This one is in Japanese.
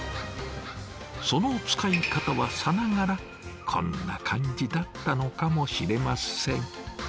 その使い方はさながらこんな感じだったのかもしれません。